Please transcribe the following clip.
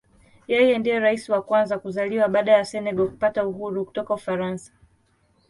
Yeye ndiye Rais wa kwanza kuzaliwa baada ya Senegal kupata uhuru kutoka Ufaransa.